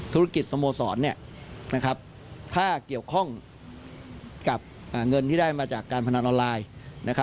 ธุรกิจสโมสรถ้าเกี่ยวข้องกับเงินที่ได้มาจากการพนันออนไลน์